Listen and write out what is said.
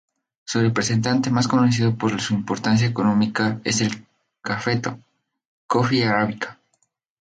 Su representante más conocido por su importancia económica es el cafeto, "Coffea arabica".